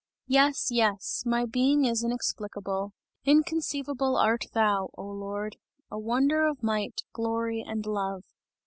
Yes! Yes! My being is inexplicable. Inconceivable art thou, oh Lord! A wonder of might, glory and love!"